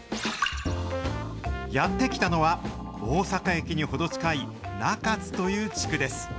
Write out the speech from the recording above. やって来たのは、大阪駅に程近い中津という地区です。